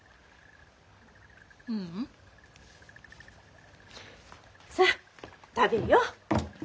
ううん。さあ食べよう！